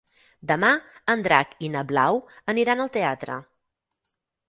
Demà en Drac i na Blau aniran al teatre.